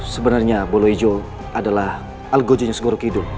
sebenarnya bolo ijo adalah algojonyo segorokido